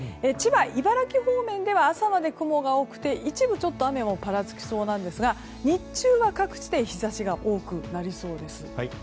千葉、茨城方面では朝まで雲が多くて一部、雨もぱらつきそうなんですが日中は各地で日差しが多くなりそうです。